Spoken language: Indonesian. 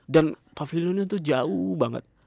dan pavilionnya tuh jauh banget